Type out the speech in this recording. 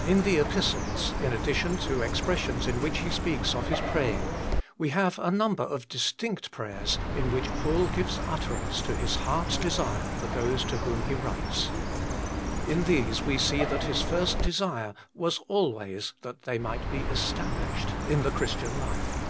In the Epistles, in addition to expressions in which he speaks of his praying, we have a number of distinct prayers in which Paul gives utterance to his heart s desire for those to whom he writes. In these we see that his first desire was always that they might be " established " in the Christian life.